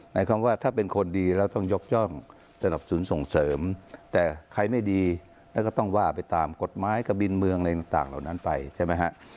หมายความว่าถ้าเป็นคนดีเราต้องยกย่องสนับสนส่งเสริม